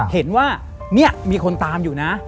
เห็นว่านี่มีคนตามอยู่นะ